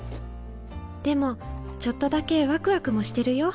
でもちょっとだけワクワクもしてるよ。